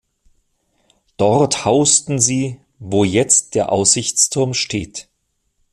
Dort hausten sie, wo jetzt der Aussichtsturm steht.